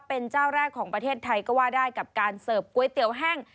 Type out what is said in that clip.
เป็นเจ้าแรกของประเทศไทยก็ว่าได้กับการเสิร์ฟก๋วยเตี๋ยวแห้ง